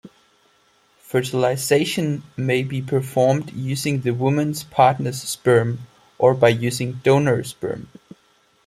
Fertilization may be performed using the woman's partner's sperm or by using donor sperm.